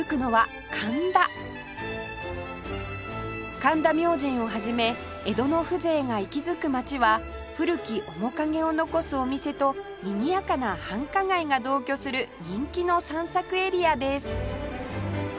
神田明神を始め江戸の風情が息づく街は古き面影を残すお店とにぎやかな繁華街が同居する人気の散策エリアです